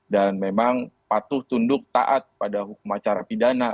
dan memang patuh tunduk taat pada hukum acara pidana